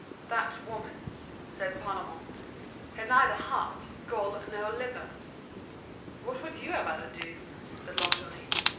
"That woman," said Parlamente, "had neither heart, gall nor liver." "What would you have had her do?" said Longarine.